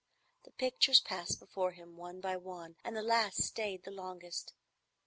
The pictures passed before him one by one, and the last stayed the longest.